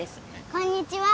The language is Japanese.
こんにちは。